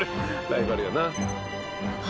ライバルやな」